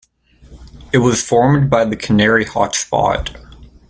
It was formed by the Canary hotspot.